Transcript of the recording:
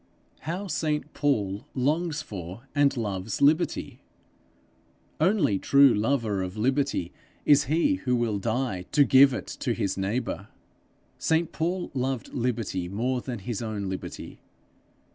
How St Paul longs for and loves liberty! Only true lover of liberty is he, who will die to give it to his neighbour! St Paul loved liberty more than his own liberty.